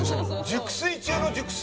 熟睡中の熟睡。